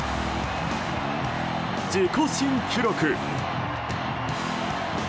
自己新記録。